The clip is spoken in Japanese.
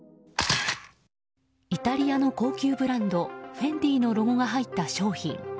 イタリアの高級ブランドＦＥＮＤＩのロゴが入った商品。